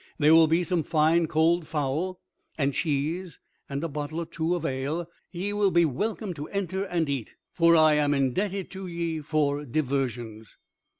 There will be some fine cold fowl and cheese and a bottle or two of ale. Ye will be welcome to enter and eat, for I am indebted to ye for diversions."